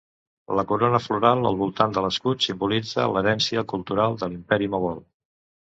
La corona floral al voltant de l'escut simbolitza l'herència cultural de l'Imperi Mogol.